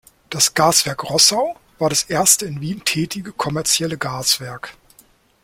Das Gaswerk Rossau war das erste in Wien tätige kommerzielle Gaswerk.